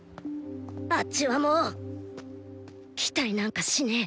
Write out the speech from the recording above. あッチはもう期待なんかしねぇ！